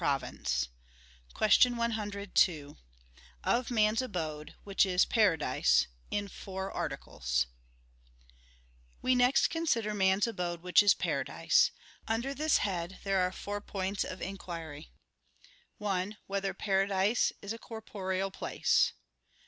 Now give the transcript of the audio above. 1). _______________________ QUESTION 102 OF MAN'S ABODE, WHICH IS PARADISE (In Four Articles) We next consider man's abode, which is paradise. Under this head there are four points of inquiry: (1) Whether paradise is a corporeal place?